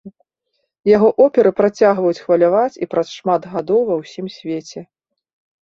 Яго оперы працягваюць хваляваць і праз шмат гадоў ува ўсім свеце.